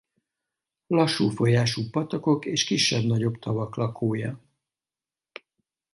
Lassú folyású patakok és kisebb-nagyobb tavak lakója.